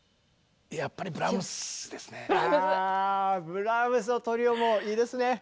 ブラームスのトリオもいいですね！